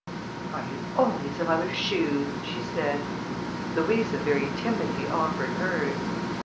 "If I had only some other shoes!" she said. Louisa very timidly offered hers.